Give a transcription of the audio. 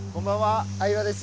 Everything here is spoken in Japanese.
相葉です。